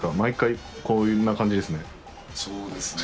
そうですね。